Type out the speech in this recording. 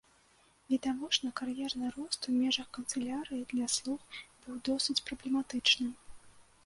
Відавочна, кар'ерны рост у межах канцылярыі для слуг быў досыць праблематычным.